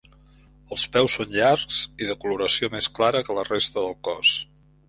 Els peus són llargs, i de coloració més clara que la resta del cos.